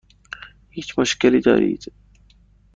هیچ مشکلی دارید؟